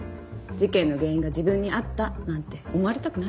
事件の原因が自分にあったなんて思われたくないでしょ。